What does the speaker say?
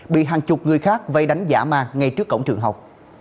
bị hàng chục người khác vây đánh giả ma ngay trước cổng trường học